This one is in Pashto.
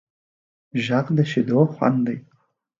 غږ د شیدو خوند دی